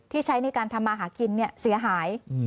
ที่ใช้ในการทำอาหารกินเนี่ยเสียหาย